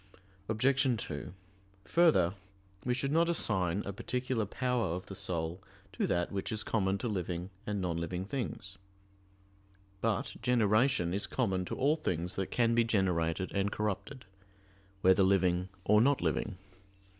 Obj. 2: Further, we should not assign a particular power of the soul to that which is common to living and non living things. But generation is common to all things that can be generated and corrupted, whether living or not living.